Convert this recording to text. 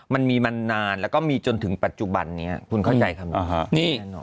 มันมีมานานแล้วก็มีจนถึงปัจจุบันนี้คุณเข้าใจคำนี้